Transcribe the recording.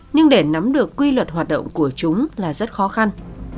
nhưng để nắm được quy luật hoạt động của chúng là rất khó khăn